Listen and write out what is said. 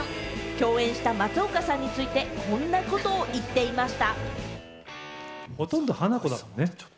共演した松岡さんについて、こんなことを言っていました。